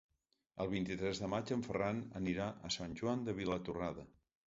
El vint-i-tres de maig en Ferran anirà a Sant Joan de Vilatorrada.